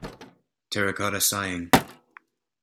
Terracotta Sighing.